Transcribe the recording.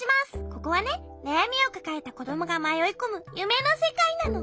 ここはねなやみをかかえたこどもがまよいこむゆめのせかいなの。